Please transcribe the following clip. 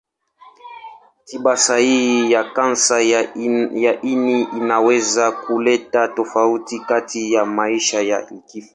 Tiba sahihi ya kansa ya ini inaweza kuleta tofauti kati ya maisha na kifo.